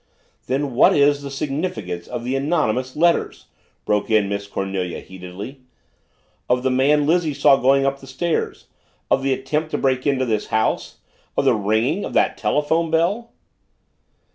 "Then what is the significance of the anonymous letters?" broke in Miss Cornelia heatedly. "Of the man Lizzie saw going up the stairs, of the attempt to break into this house of the ringing of that telephone bell?"